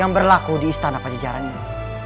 yang berlaku di istana pajajaran ini